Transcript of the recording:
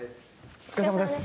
お疲れさまです